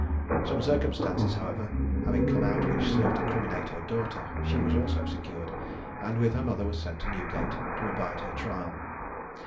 Some circumstances, however, having come out which served to criminate her daughter, she also was secured, and with her mother was sent to Newgate to abide her trial.